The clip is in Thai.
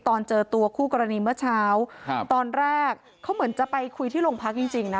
ตอนเจอตัวคู่กรณีเมื่อเช้าครับตอนแรกเขาเหมือนจะไปคุยที่โรงพักจริงจริงนะ